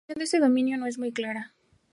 La función de este dominio no es muy clara.